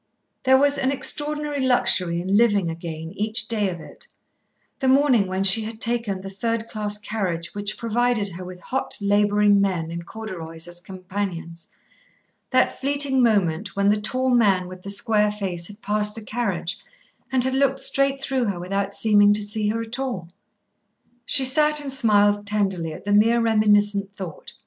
There was an extraordinary luxury in living again each day of it, the morning when she had taken the third class carriage which provided her with hot, labouring men in corduroys as companions, that fleeting moment when the tall man with the square face had passed the carriage and looked straight through her without seeming to see her at all. She sat and smiled tenderly at the mere reminiscent thought.